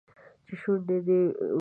چې شونډي دې ورېږدي در پوهېږم چې